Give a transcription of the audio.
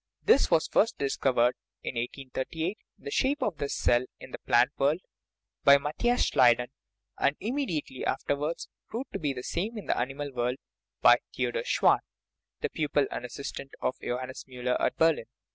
This was first dis covered (1838) in the shape of the cell, in the plant world, by Matthias Schleiden, and immediately, after wards proved to be the same in the animal world by Theodor Schwann, the pupil and assistant of Jo hannes M tiller at Berlin.